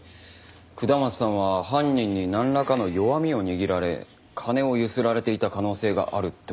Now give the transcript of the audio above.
下松さんは犯人になんらかの弱みを握られ金をゆすられていた可能性があるって事ですか？